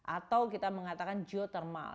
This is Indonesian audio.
atau kita mengatakan geothermal